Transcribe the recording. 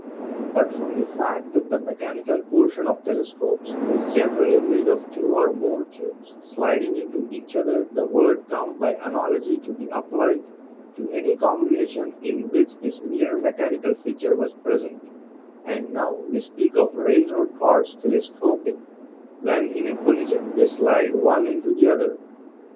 But from the fact that the mechanical portion of telescopes 219 220 THE SEVEN FOLLIES OF SCIENCE was generally made of two or more tubes sliding into each other the word came by analogy to be applied to any combination in which this mere mechanical feature was present, and now we speak of railroad cars " telescoping " when, in a collision, they slide one into the other.